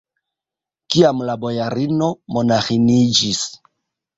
Kiam la bojarino monaĥiniĝis?